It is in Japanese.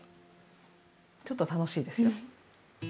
ちょっと楽しいですよ。